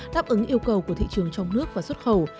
đáp ứng yêu cầu của thị trường trong nước và xuất khẩu